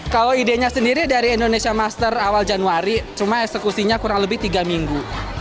kalau idenya sendiri dari indonesia master awal januari cuma eksekusinya kurang lebih tiga minggu